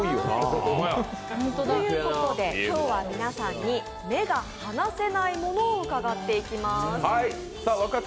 ということで、今日は皆さんに目が離せないものを伺っていきます。